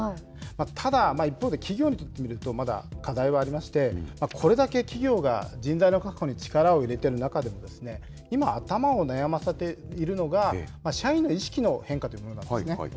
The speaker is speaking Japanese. ただ一方で、企業にとってみると、まだ課題はありまして、これだけ企業が人材の確保に力を入れている中でも、今、頭を悩ませているのが、社員の意識の変化というものなんですね。